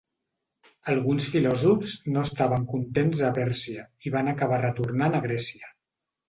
Alguns filòsofs no estaven contents a Pèrsia i van acabar retornant a Grècia.